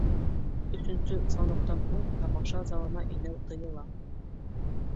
Өсөнсө звоноктан һуң тамаша залына инеү тыйыла.